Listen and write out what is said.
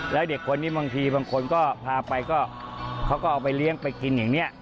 แล้วเด็กคนนี้บางทีบางคนก็พาไปก็เขาก็เอาไปเลี้ยงไปกินอย่างนี้